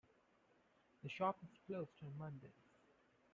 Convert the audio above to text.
The shop is closed on mondays.